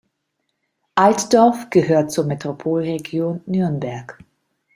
Altdorf gehört zur Metropolregion Nürnberg.